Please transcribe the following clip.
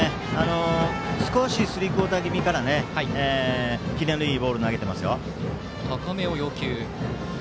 スリークオーター気味からキレのいいボールを投げています。